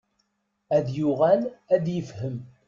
Ad yuɣal ad ifhem.